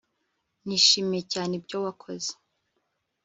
Nishimiye cyane ibyo wakoze